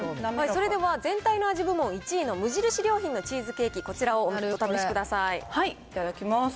それでは全体の味部門１位の無印良品のチーズケーキ、こちらをおいただきます。